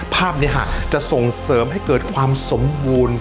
ภาพนี้ค่ะจะส่งเสริมให้เกิดความสมบูรณ์